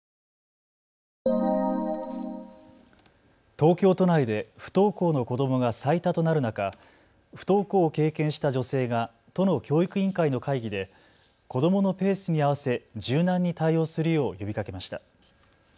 東京都内で不登校の子どもが最多となる中、不登校を経験した女性が都の教育委員会の会議で子どものペースに合わせ柔軟に対応するよう呼びかけました。